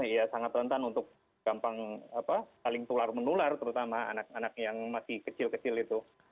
ya sangat rentan untuk gampang saling tular menular terutama anak anak yang masih kecil kecil itu